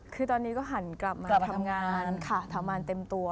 คือตอนนี้ก็หันกลับมาทำงานค่ะทำงานเต็มตัว